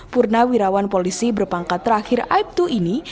purnawirawan polisi berpangkat terakhir aibtu ini